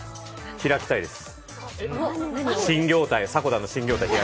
開きたいです。